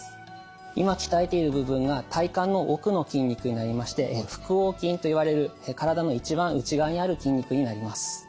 今鍛えている部分が体幹の奥の筋肉になりまして腹横筋といわれる体の一番内側にある筋肉になります。